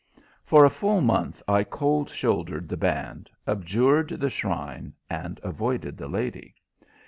For a full month I cold shouldered the band, abjured the shrine, and avoided the lady.